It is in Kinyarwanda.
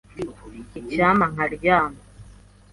Icyampa nkaryama.